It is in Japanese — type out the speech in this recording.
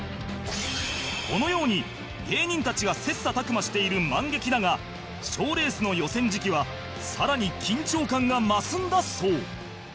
このように芸人たちが切磋琢磨しているマンゲキだが賞レースの予選時期は更に緊張感が増すんだそう